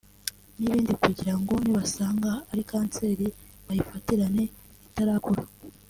n’ibindi kugirango nibasanga ari kanseri bayifatirane itarakura